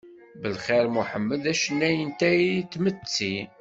Belxir Muḥemmed d acennay n tayri d tmetti.